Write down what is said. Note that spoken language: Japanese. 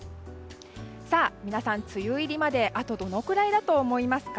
さあ、皆さん、梅雨入りまであとどれぐらいだと思いますか？